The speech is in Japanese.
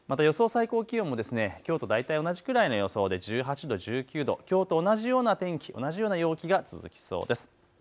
最高気温もきょうと大体同じくらいの予想で１８度１９度、きょうと同じような天気、同じような陽気が続きそうです。